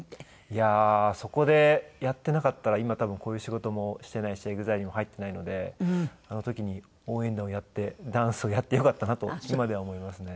いやーそこでやっていなかったら今多分こういう仕事もしていないしＥＸＩＬＥにも入っていないのであの時に応援団をやってダンスをやってよかったなと今では思いますね。